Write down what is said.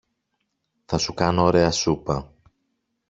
Θα σου κάνω ωραία σούπα.